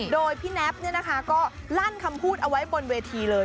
โดยพี่แน็บก็ลั่นคำพูดเอาไว้บนเวทีเลย